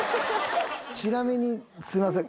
ちなみにすいません